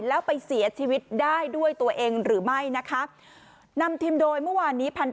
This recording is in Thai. แล้วไปเสียชีวิตได้ด้วยตัวเองหรือไม่นะคะนำทีมโดยเมื่อวานนี้พันธ